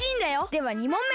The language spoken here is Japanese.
では２もんめ！